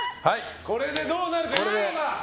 これでどうなるか！